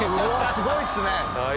すごいっすね。